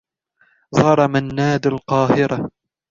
زار منّاد القاهرة.